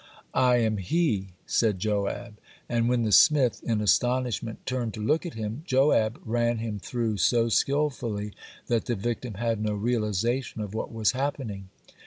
"I am he," said Joab, and when the smith in astonishment turned to look at him, Joab ran him through so skillfully that the victim had no realization of what was happening.